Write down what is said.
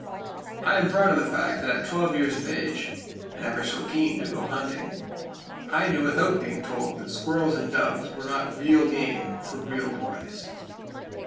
(I am proud of the fact that at twelve years of age,—and ever so keen to "go hunting,"—I knew without being told that squirrels and doves were not real "game" for real boys.)